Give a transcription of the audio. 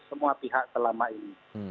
semua pihak selama ini